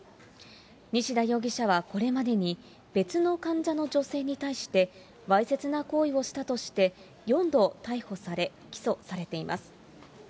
西田容疑者はこれまでに、別の患者の女性に対して、わいせつな行為をしたとして４度逮捕され、起訴されています。